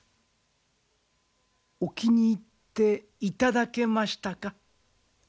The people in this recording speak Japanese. お気に入っていただけましたか？